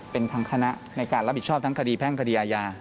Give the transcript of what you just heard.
เป็นทางคณะในการรับผิดชอบทั้งคดีแพ่งคดีอาญา